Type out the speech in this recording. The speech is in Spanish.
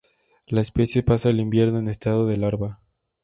La especie pasa el invierno en estado de larva.